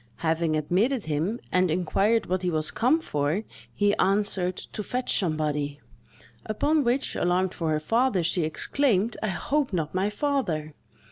Having admitted him, and inquired what he was come for, he answered, "To fetch somebody." Upon which, alarmed for her father, she exclaimed, "I hope not my father!"